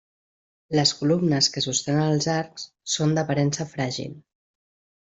Les columnes que sostenen els arcs són d'aparença fràgil.